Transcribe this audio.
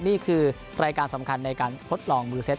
นี่คือรายการสำคัญในการทดลองมือเซต